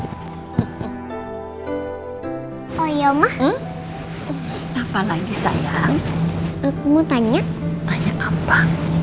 sekarang tidurin aja kok ya ya oh iya mah apa lagi sayang kamu tanya tanya apa apa